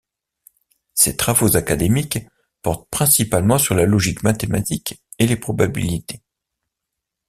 Ses travaux académiques portent principalement sur la logique mathématique et les probabilités.